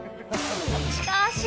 しかーし！